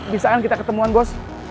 bisa kan kita ketemuan bos